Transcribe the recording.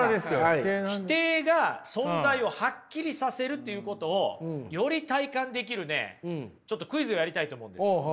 否定が存在をハッキリさせるっていうことをより体感できるねちょっとクイズをやりたいと思うんですよ。